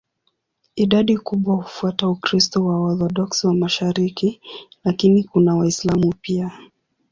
Idadi kubwa hufuata Ukristo wa Waorthodoksi wa mashariki, lakini kuna Waislamu pia.